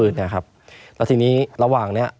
แล้วทีนี้ระหว่างเนี้ย